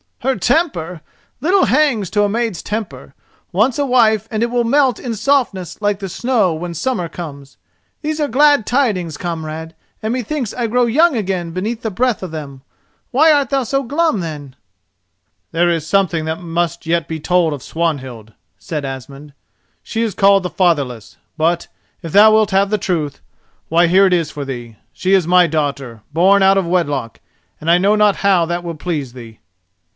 "Her temper! Little hangs to a maid's temper. Once a wife and it will melt in softness like the snow when summer comes. These are glad tidings, comrade, and methinks I grow young again beneath the breath of them. Why art thou so glum then?" "There is something that must yet be told of Swanhild," said Asmund. "She is called the Fatherless, but, if thou wilt have the truth, why here it is for thee—she is my daughter, born out of wedlock, and I know not how that will please thee."